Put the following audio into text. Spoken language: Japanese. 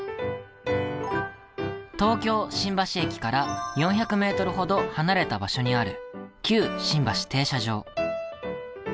東京新橋駅から４００ｍほど離れた場所にある旧新橋停車場。